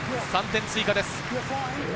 ３点追加です。